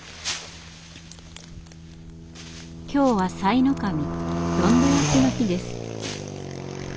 今日は賽の神「どんど焼き」の日です。